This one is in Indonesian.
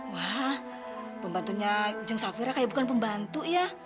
wah pembantunya jeng safira kayak bukan pembantu ya